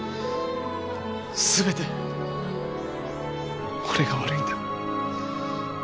全て俺が悪いんだ。